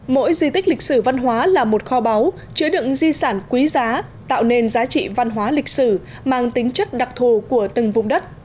mỗi di tích lịch sử văn hóa là một kho báu chứa đựng di sản quý giá tạo nên giá trị văn hóa lịch sử mang tính chất đặc thù của từng vùng đất